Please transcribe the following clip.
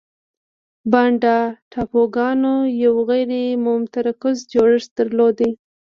بانډا ټاپوګانو یو غیر متمرکز جوړښت درلود.